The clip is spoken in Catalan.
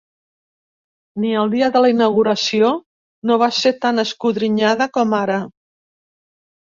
Ni el dia de la inauguració no va ser tan escodrinyada com ara.